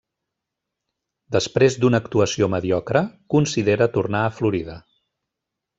Després d'una actuació mediocre, considera tornar a Florida.